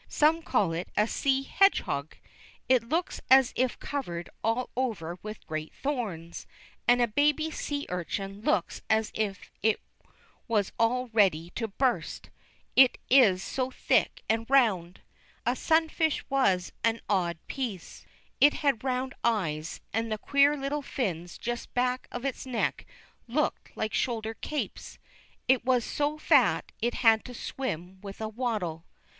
Some call it a sea hedgehog. It looks as if covered all over with great thorns, and a baby sea urchin looks as if it was all ready to burst, it is so thick and round. A sunfish was an odd piece. It had round eyes, and the queer little fins just back of its neck looked like shoulder capes. It was so fat it had to swim with a waddle.